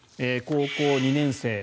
高校２年生